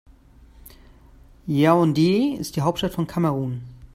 Yaoundé ist die Hauptstadt von Kamerun.